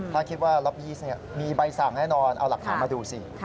ถ้าคิดว่าล็อบยีสมีใบสั่งแน่นอนเอาหลักฐานมาดูสิ